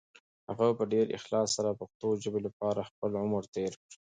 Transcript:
هغه په ډېر اخلاص سره د پښتو ژبې لپاره خپل عمر تېر کړ.